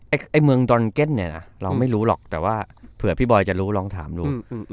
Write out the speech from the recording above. ไอ้เมืองดอนเก็ตเนี่ยนะเราไม่รู้หรอกแต่ว่าเผื่อพี่บอยจะรู้ลองถามดู